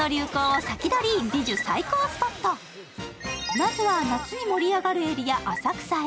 まずは、夏に盛り上がるエリア浅草へ。